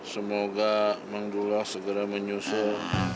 semoga menggulau segera menyusul